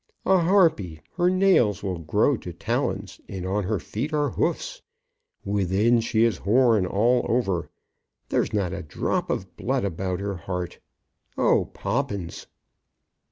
"A harpy! Her nails will grow to talons, and on her feet are hoofs. Within she is horn all over. There's not a drop of blood about her heart. Oh, Poppins!"